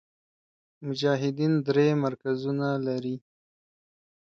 مجاهدین درې مرکزونه لري.